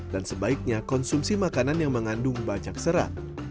dan sebaiknya konsumsi makanan yang mengandung banyak serat